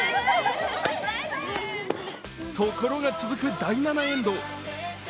ところが続く第７エンド。